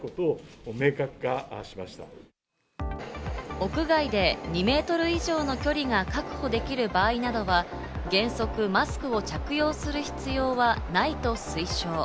屋外で２メートル以上の距離が確保できる場合などは原則、マスクを着用する必要はないと推奨。